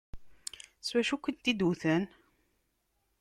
S wacu i kent-id-wtent?